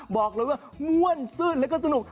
บอกเลยว่าม่วนซื่นแล้วก็สนุก